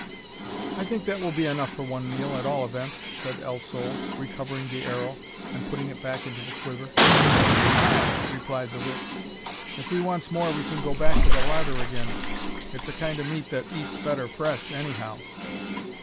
"I think that will be enough for one meal, at all events," said El Sol, recovering the arrow, and putting it back into the quiver. "Ay!" replied the wit; "if we wants more we kin go back to the larder agin. It's a kind o' meat that eats better fresh, anyhow."